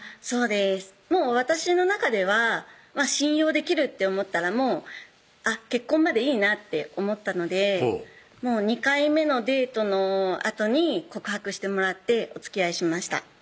そうです私の中では信用できるって思ったらもう結婚までいいなって思ったので２回目のデートのあとに告白してもらっておつきあいしました